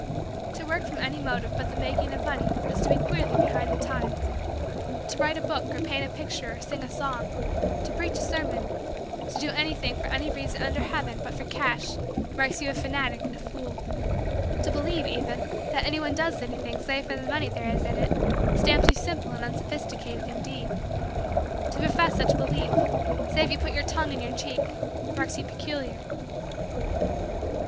To work from any motive but the making of money is to be queerly behind the times. To write a book or paint a picture or sing a song, to preach a sermon, to do anything for any reason under heaven but for cash marks you a fanatic and a fool. To believe, even, that anyone does anything save for the money there is in it stamps you simple and unsophisticated, indeed. To profess such belief, save you put your tongue in your cheek, marks you peculiar.